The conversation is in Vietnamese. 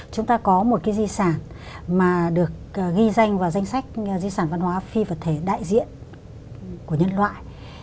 chúng ta có một cái di sản mà được ghi danh vào danh sách di sản văn hóa phi vật thể đại diện của nhân loại